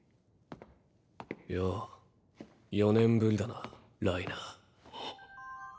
よう４年ぶりだなライナー。